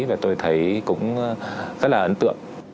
và tôi thấy cũng rất là ấn tượng